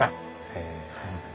へえ。